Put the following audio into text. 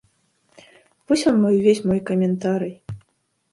Вось вам і ўвесь мой каментарый.